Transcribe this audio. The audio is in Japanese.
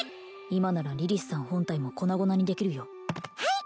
今ならリリスさん本体も粉々にできるよはい！